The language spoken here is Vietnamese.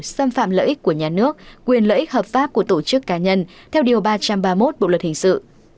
xâm phạm lợi ích của nhà nước quyền lợi ích hợp pháp của tổ chức cá nhân theo điều ba trăm ba mươi một bộ luật hình sự